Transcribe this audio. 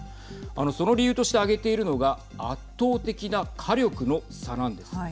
その理由として挙げているのが圧倒的な火力の差なんです。